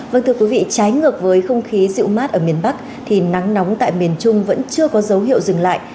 vâng thưa quý vị trái ngược với không khí dịu mát ở miền bắc thì nắng nóng tại miền trung vẫn chưa có dấu hiệu dừng lại